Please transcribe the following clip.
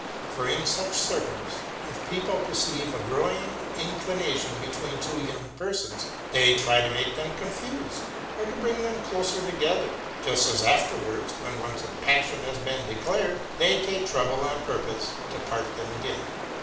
For in such circles, if people perceive a growing inclination between two young persons, they try to make them confused, or to bring them closer together; just as afterwards, when once a passion has been declared, they take trouble on purpose to part them again.